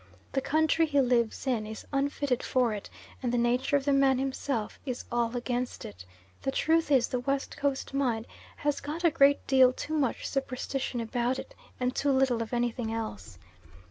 The country he lives in is unfitted for it, and the nature of the man himself is all against it the truth is the West Coast mind has got a great deal too much superstition about it, and too little of anything else.